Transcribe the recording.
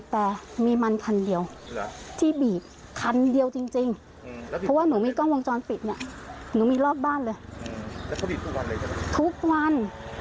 วันหนึ่งเนี่ยโอ้โฮเป็น๑๐